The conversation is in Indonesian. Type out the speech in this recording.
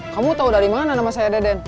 kamu tahu dari mana nama saya deden